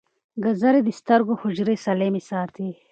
ګازرې د سترګو حجرې سالمې ساتي.